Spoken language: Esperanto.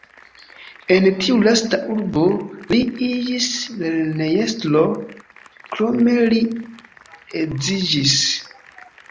En tiu lasta urbo li iĝis lernejestro, krome li edziĝis.